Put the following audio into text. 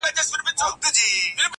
• خاموسي تر ټولو قوي ځواب دی,